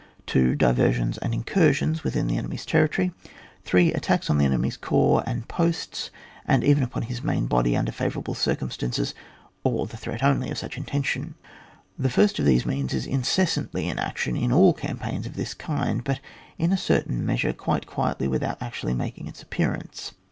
2. Diversions and incursions within the enemy's territory. 3. Attacks on the enemy's corps and posts, and even upon his main body* under favourable circumstances, or the threat only of such intention. The first of these means is incessantly in action in aU campaigns of this kind, but in a certain measure quite quietly without actually making its appearance.